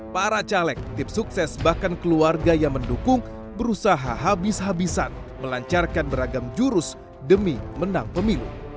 para caleg tim sukses bahkan keluarga yang mendukung berusaha habis habisan melancarkan beragam jurus demi menang pemilu